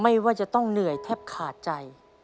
ว่าจะต้องเหนื่อยแทบขาดใจ